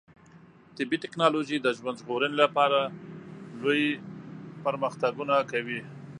طبي ټکنالوژي د ژوند ژغورنې لپاره لوی پرمختګونه کوي.